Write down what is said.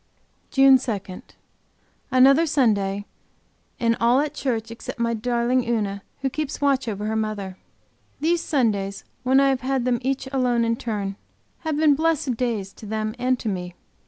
JUNE 2 Another Sunday, and all at church except my darling Una who keeps watch over her mother. These Sundays when I have had them each alone in turn have been blessed days to them and to me.